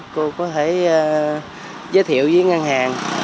cô có thể giới thiệu với ngân hàng